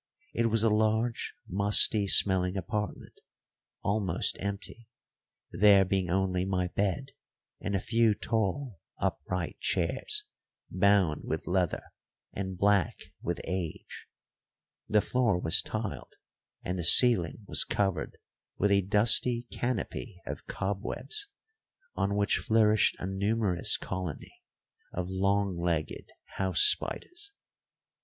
It was a large, musty smelling apartment, almost empty, there being only my bed and a few tall, upright chairs bound with leather and black with age. The floor was tiled, and the ceiling was covered with a dusty canopy of cobwebs, on which flourished a numerous colony of long legged house spiders.